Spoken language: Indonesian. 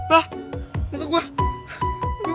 hah kenapa gue